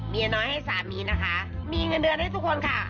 เมียน้อยให้สามีนะคะมีเงินเดือนให้ทุกคนค่ะ